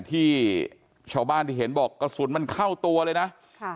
ที่ชาวบ้านที่เห็นบอกกระสุนมันเข้าตัวเลยนะค่ะ